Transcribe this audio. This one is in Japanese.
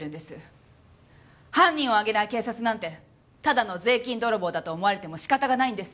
犯人を挙げない警察なんてただの税金泥棒だと思われても仕方がないんです。